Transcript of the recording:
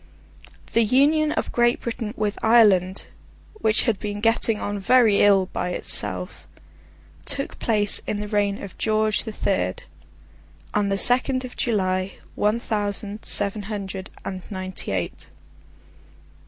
The Union of Great Britain with Ireland—which had been getting on very ill by itself—took place in the reign of George the Third, on the second of July, one thousand seven hundred and ninety eight.